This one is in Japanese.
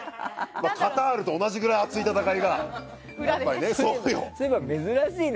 カタールと同じぐらい熱い戦いがね！